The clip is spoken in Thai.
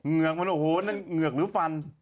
เงือกมันโอ้โหเงือกรึฟัน